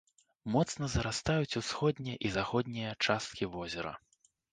Моцна зарастаюць усходняя і заходняя часткі возера.